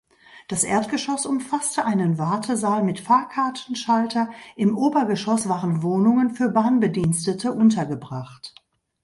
Das Erdgeschoss umfasste einen Wartesaal mit Fahrkartenschalter, im Obergeschoss waren Wohnungen für Bahnbedienstete untergebracht.